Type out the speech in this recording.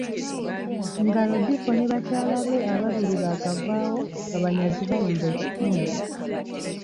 Nga Lodipo ne bakyala be ababiri baakavaawo, abanyazi baalumba ekitundu.